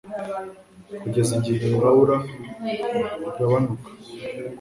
Kugeza igihe Laura igabanuka